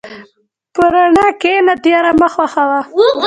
په رڼا کښېنه، تیاره مه خوښه وه.